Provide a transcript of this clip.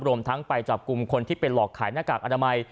รวมทั้งไปจับกลุ่มคนที่ไปหลอกขายหน้ากากอนามัย